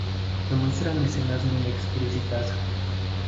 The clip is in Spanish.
Se muestran escenas muy explícitas.